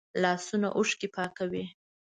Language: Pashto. لاسونه اوښکې پاکوي